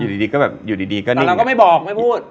อยู่ตัดดีก็แบบอยู่ดีก็นิ่งแต่เราก็ไม่บอกไม่พูด